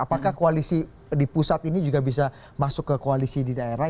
apakah koalisi di pusat ini juga bisa masuk ke koalisi di daerah